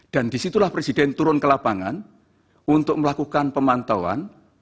dan disitulah presiden turun ke lapangan untuk melakukan pemantauan